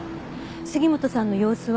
杉本さんの様子は？